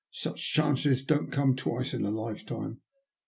Such chances don't come twice in a lifetime.